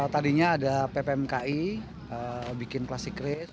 tadinya ada ppmki bikin classic rate